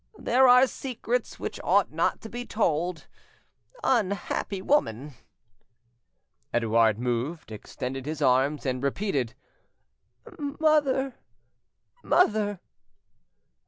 .. there are secrets which ought not to be told—unhappy woman!" Edouard moved, extended his arms, and repeated, "Mother! ... mother!"